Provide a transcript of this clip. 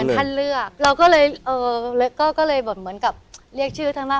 เหมือนท่านเลือกเราก็เลยเออแล้วก็ก็เลยเหมือนกับเรียกชื่อท่านว่า